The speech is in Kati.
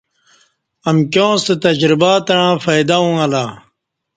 امکیاں ستہ تجربہ تݩع فائدہ اݣہ لہ